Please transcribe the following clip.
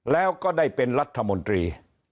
แล้วก็ได้เป็นรัฐมนตรี